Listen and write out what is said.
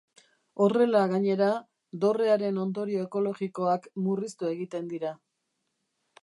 Horrela gainera, dorrearen ondorio ekologikoak murriztu egiten dira.